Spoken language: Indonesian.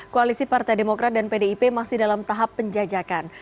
koalisi partai demokrat dan pdip masih dalam tahap penjajakan